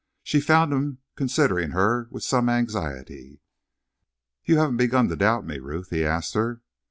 She found him considering her with some anxiety. "You haven't begun to doubt me, Ruth?" he asked her.